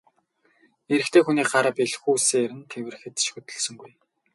Эрэгтэй хүний гар бэлхүүсээр нь тэврэхэд ч хөдөлсөнгүй.